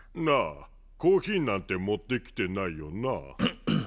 なあコーヒーなんて持ってきてないよな？